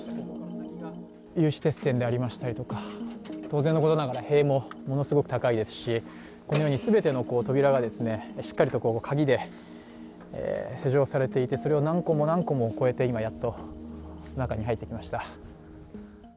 有刺鉄線でありましたりとか当然のことながら塀もものすごく高いですしこのように全ての扉がしっかりと鍵で施錠されていて、それを何個も何個も越えて今やっと中に入ってきました。